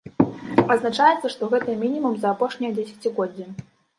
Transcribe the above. Адзначаецца, што гэта мінімум за апошняе дзесяцігоддзе.